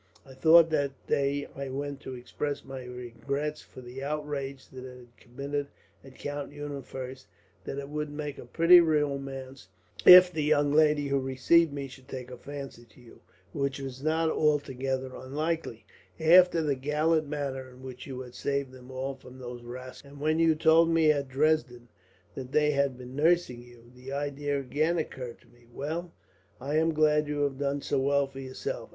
I thought, that day I went to express my regrets for the outrage that had been committed at Count Eulenfurst's, that it would make a pretty romance if the young lady who received me should take a fancy to you; which was not altogether unlikely, after the gallant manner in which you had saved them all from those rascals of mine; and when you told me, at Dresden, that they had been nursing you, the idea again occurred to me. Well, I am glad you have done so well for yourself.